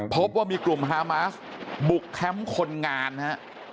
พบว่ามีกลุ่มฮามาสบุกแคมป์คนงานฮะ